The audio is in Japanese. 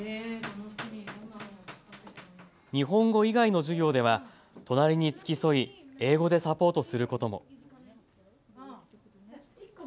日本語以外の授業では隣に付き添い、英語でサポートすることも。